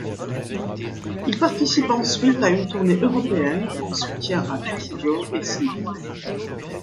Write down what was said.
Ils participent ensuite à une tournée européenne en soutien à Cathedral et Sleep.